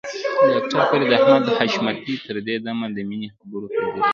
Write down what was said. ډاکټر فريد احمد حشمتي تر دې دمه د مينې خبرو ته ځير و.